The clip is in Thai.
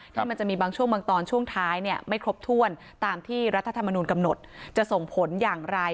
ที่มันจะมีบางช่วงบางตอนช่วงท้ายเนี่ยไม่ครบถ้วนตามที่รัฐธรรมนุนกำหนดจะส่งผลอย่างไร